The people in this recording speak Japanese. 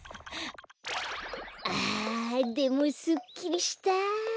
あでもすっきりした。